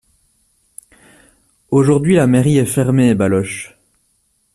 Aujourd’hui, la mairie est fermée Baloche .